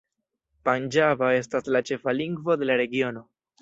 Panĝaba estas la ĉefa lingvo de la regiono.